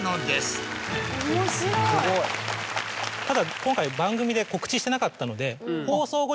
ただ今回番組で告知してなかったので。